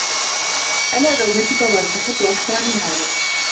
أنا زوجتك و أستحقّ أكثر من هذا.